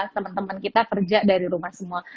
teman teman kita kerja dari rumah semua